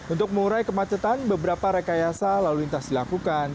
untuk mengurai kemacetan beberapa rekayasa lalu lintas dilakukan